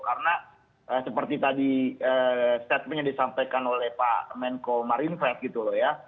karena seperti tadi statementnya disampaikan oleh pak menko marinfat gitu loh ya